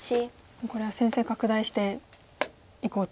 もうこれは戦線拡大していこうと。